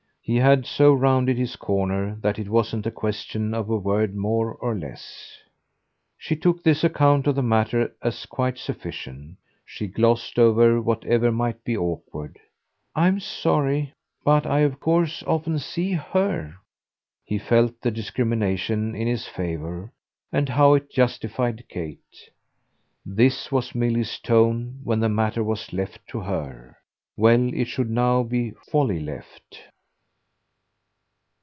He had so rounded his corner that it wasn't a question of a word more or less. She took this account of the matter as quite sufficient; she glossed over whatever might be awkward. "I'm sorry but I of course often see HER." He felt the discrimination in his favour and how it justified Kate. This was Milly's tone when the matter was left to her. Well, it should now be wholly left.